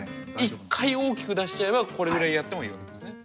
１回大きく出しちゃえばこれぐらいやってもいいわけですね。